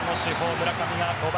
村上が５番。